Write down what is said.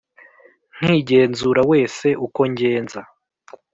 nkigenzura wese uko ngenza